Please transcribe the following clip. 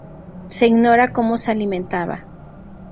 Se ignora como se alimentaba.